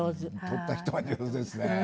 撮った人が上手ですね。